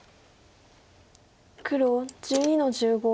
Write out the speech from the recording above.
黒１２の十五。